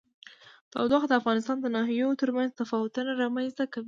تودوخه د افغانستان د ناحیو ترمنځ تفاوتونه رامنځ ته کوي.